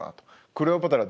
クレオパトラ